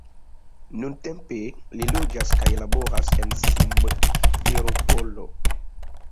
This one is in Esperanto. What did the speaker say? Nuntempe li loĝas kaj laboras en Simferopolo.